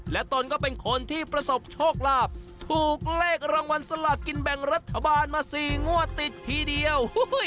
และตนก็เป็นคนที่ประสบโชคลาภถูกเลขรางวัลสลากกินแบ่งรัฐบาลมา๔งวดติดทีเดียว